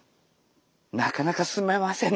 なかなか進めませんね。